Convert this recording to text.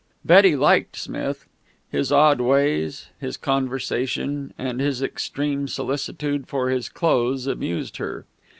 Betty liked Smith. His odd ways, his conversation, and his extreme solicitude for his clothes amused her.